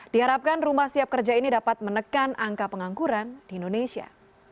diharapkan rumah siap kerja ini dapat menekan angka pengangguran di indonesia